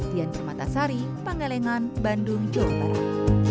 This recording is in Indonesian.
tian pirmatasari panggelengan bandung jawa barat